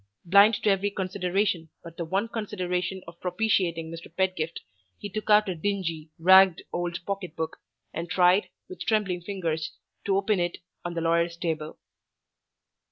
Blind to every consideration but the one consideration of propitiating Mr. Pedgift, he took out a dingy, ragged old pocket book, and tried, with trembling fingers, to open it on the lawyer's table.